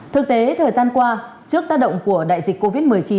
thực tế thời gian qua trước tác động của đại dịch covid một mươi chín